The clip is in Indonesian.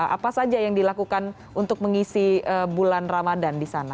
apa saja yang dilakukan untuk mengisi bulan ramadan di sana